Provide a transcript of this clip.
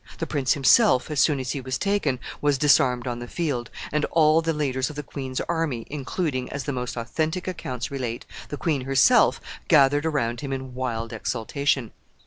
The prince himself, as soon as he was taken, was disarmed on the field, and all the leaders of the queen's army, including, as the most authentic accounts relate, the queen herself, gathered around him in wild exultation.